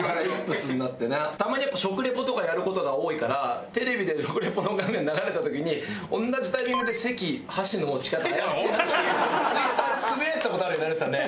たまにやっぱ食リポとかやる事が多いからテレビで食リポの画面流れた時に同じタイミングで「関、箸の持ち方怪しいな」ってＴｗｉｔｔｅｒでつぶやいてた事あるよね有吉さんね。